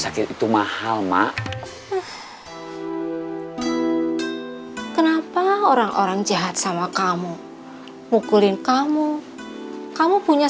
sakit itu mahal mak kenapa orang orang jahat sama kamu mukulin kamu kamu punya